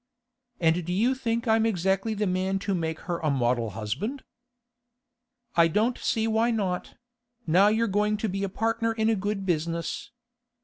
'And do you think I'm exactly the man to make her a model husband?' 'I don't see why not—now you're going to be a partner in a good business.